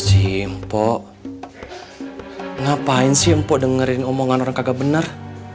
si mpok ngapain si mpok dengerin omongan orang kagak benar